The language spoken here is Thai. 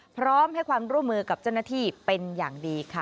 พร้อมให้ความร่วมมือกับเจ้าหน้าที่เป็นอย่างดีค่ะ